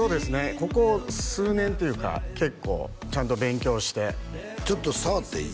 ここ数年っていうか結構ちゃんと勉強してちょっと触っていい？